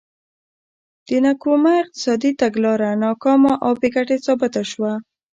د نکرومه اقتصادي تګلاره ناکامه او بې ګټې ثابته شوه.